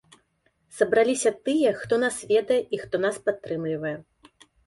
Сабраліся тыя, хто нас ведае і хто нас падтрымлівае.